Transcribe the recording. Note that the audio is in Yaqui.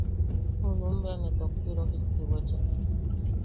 Junum bea ne tokti rojikti wechek.